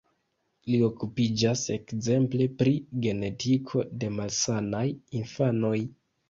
Li okupiĝas ekzemple pri genetiko de malsanaj infanoj.